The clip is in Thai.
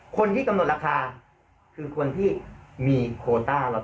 คนที่กำหนดราคาคือคนที่มีโคต้รอเตอรี่หมื่นแรก